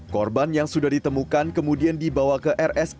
korban yang sudah ditemukan kemudian dibawa ke rsud